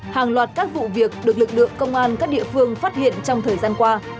hàng loạt các vụ việc được lực lượng công an các địa phương phát hiện trong thời gian qua